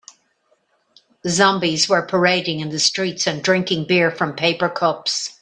Zombies were parading in the streets and drinking beer from paper cups.